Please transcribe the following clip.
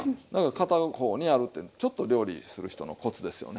片方にあるってちょっと料理する人のコツですよね。